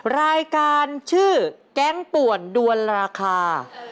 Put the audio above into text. รายการชื่อแก๊งป่วนด้วนราคา